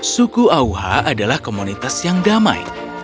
suku auha adalah komunitas yang damai